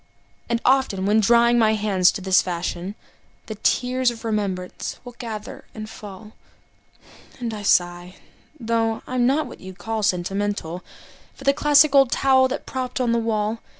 And often, when drying my hands in this fashion, The tears of remembrance will gather and fall, And I sigh (though I'm not what you'd call sentimental) For the classic old towel that propped up the wall.